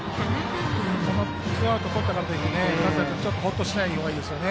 ツーアウトをとったからといって勝田君はほっとしないほうがいいですね。